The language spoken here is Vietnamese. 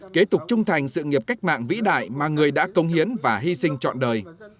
kế tục trung thành sự nghiệp cách mạng vĩ đại mà người đã công hiến và hy sinh trọn đời